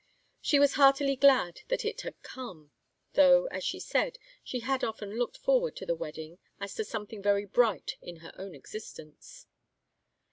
She was heartily glad that it had come, though, as she said, she had often looked forward to the wedding as to something very bright in her own existence.